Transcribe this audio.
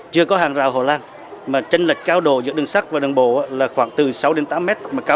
chưa có hàng rào hồ lang mà chân lệch cao độ giữa đường sắt và đường bộ là khoảng từ sáu đến tám m